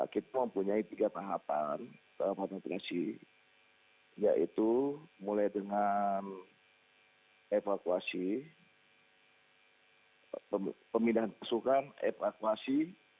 kita mempunyai tiga tahapan tahapan fungsi yaitu mulai dengan evakuasi pemindahan pasukan evakuasi